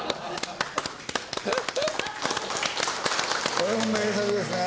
これも名作ですね！